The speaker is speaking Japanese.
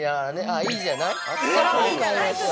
いいじゃない。